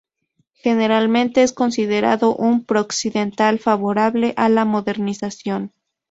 Generalmente es considerado un prooccidental favorable a la modernización.